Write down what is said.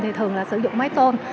thì thường là sử dụng máy tôn